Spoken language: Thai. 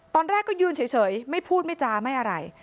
ตอนแรกก็ยืนเฉยไม่พูดไม่จาไม่อะไร